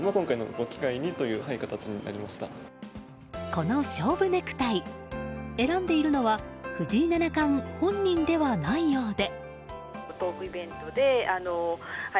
この勝負ネクタイ選んでいるのは藤井七冠本人ではないようで。